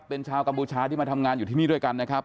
เป็นชาวกัมพูชาที่มาทำงานอยู่ที่นี่ด้วยกันนะครับ